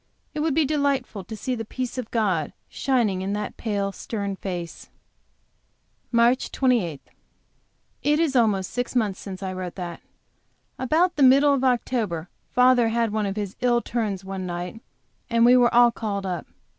It would be delightful to see the peace of God shining in that pale, stern face. MARCH 28. It is almost six months since I wrote that. About the middle of October father had one of his ill turns one night, and we were all called up.